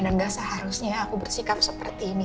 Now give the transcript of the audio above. dan gak seharusnya aku bersikap seperti ini